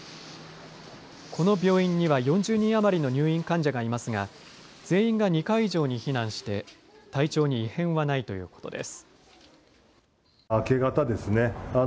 この病院には４０人余りの入院患者がいますが全員が２階以上に避難して体調に異変はないということです。